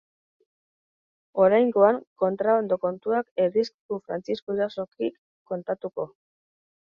Oraingoan kontrabando kontuak ez dizkigu Frantzisko Irazokik kontatuko.